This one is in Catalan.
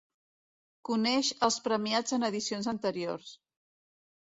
Coneix els premiats en edicions anteriors.